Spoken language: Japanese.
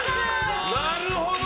なるほど！